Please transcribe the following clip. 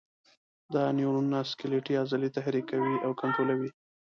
دا نیورونونه سکلیټي عضلې تحریکوي او کنټرولوي.